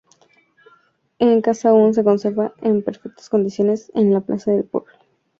Esta casa aún se conserva en perfectas condiciones en la plaza del pueblo.